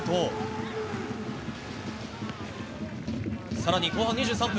更に後半２３分。